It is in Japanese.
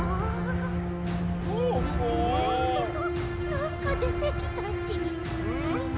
なんかでてきたち。